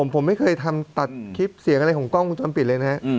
ผมไม่เคยทำตัดคลิปเสียงอะไรของกล้องวงจรปิดเลยนะฮะ